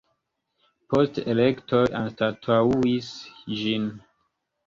Poste elektoj anstataŭis ĝin.